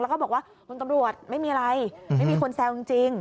แล้วก็บอกว่าคุณตำรวจไม่มีอะไรไม่มีคนแซวจริง